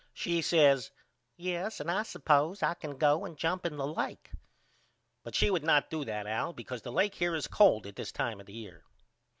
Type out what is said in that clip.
She says Yes and I suppose I can go and jump in the lake. But she would not do that Al because the lake here is cold at this time of the year.